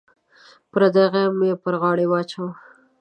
پردی غم یې پر غاړه واچوه.